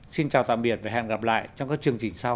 xin chào tạm biệt và hẹn gặp lại trong các chương trình sau